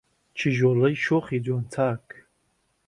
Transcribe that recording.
کیژۆڵەی شۆخی جوان چاک